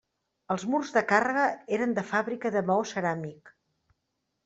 Els murs de càrrega eren de fàbrica de maó ceràmic.